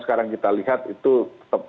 sekarang kita lihat itu tetap